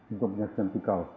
untuk menyaksikan pikal